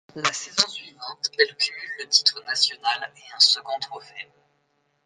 La saison suivante, elle cumule le titre national et un second trophée.